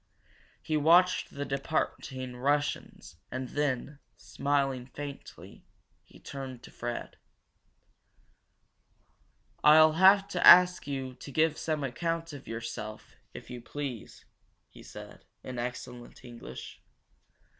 He watched the departing Russians and then, smiling faintly, he turned to Fred. "I'll have to ask you to give some account of yourself, if you please," he said, in excellent English.